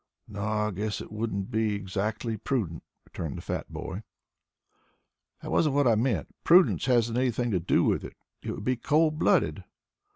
"No, I guess it wouldn't be exactly prudent," returned the fat boy. "That wasn't what I meant. Prudence hasn't anything to do with it. It would be cold blooded."